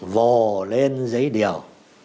vồ lên giấy điều